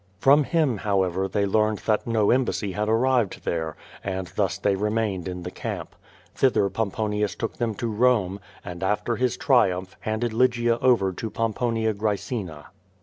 From him, however, they learned that no embassy had ar rived there, and thus they remained in the camp. Thither Pomponius took them to Home, and after his triumph hand ed Lygia over to Pomponia Graecina.